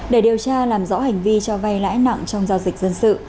để điều tra làm rõ hành vi cho vay lãi nặng trong giao dịch dân sự